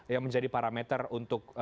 yang menjadi parameter untuk